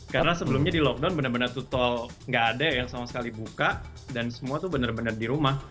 karena sebelumnya di lockdown benar benar tuh tol nggak ada yang sama sekali buka dan semua tuh benar benar di rumah